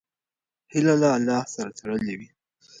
هیله له الله سره تړلې وي.